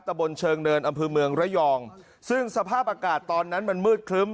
บนเชิงเนินอำเภอเมืองระยองซึ่งสภาพอากาศตอนนั้นมันมืดครึ้ม